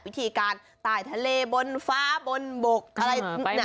วิธีการตายทะเลบนฟ้าบนบกอะไร